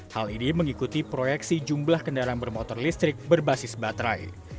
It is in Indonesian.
hal ini mengikuti proyeksi jumlah kendaraan bermotor listrik berbasis baterai